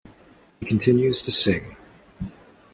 He continues to sing.